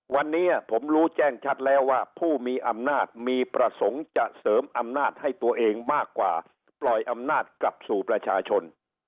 วันนี้ผมรู้แจ้งชัดแล้วว่าผู้มีอำนาจมีประสงค์จะเสริมอำนาจให้ตัวเองมากกว่าปล่อยอำนาจกลับสู่ประชาชน